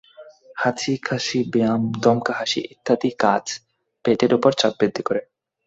হাঁচি, কাশি, ব্যায়াম, দমকা হাসি ইত্যাদি কাজ পেটের ওপর চাপ বৃদ্ধি করে।